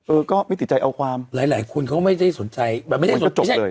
เออก็ไม่ติดใจเอาความหลายคนเขาไม่ได้สนใจแบบไม่ได้จนจบเลย